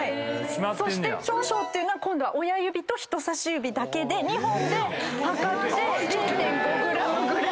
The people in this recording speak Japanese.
そして少々っていうのは今度は親指と人さし指だけで２本で量って０．５ｇぐらい。